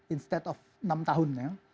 instead of enam tahun ya